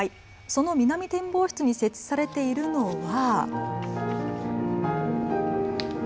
その南展望室に設置されているのは。